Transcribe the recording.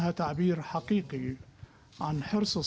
tentang keberanian china